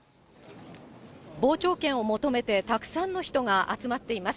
傍聴券を求めてたくさんの人が集まっています。